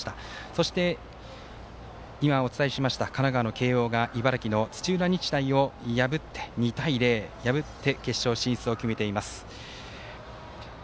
そして神奈川の慶応が茨城の土浦日大を破って２対０、決勝進出を決めています。